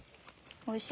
おいしい？